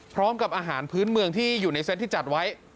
พร้อมกับอาหารพื้นเมืองที่อยู่ในเซตที่จัดไว้